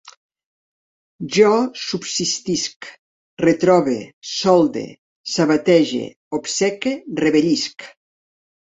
Jo subsistisc, retrobe, solde, sabatege, obceque, revellisc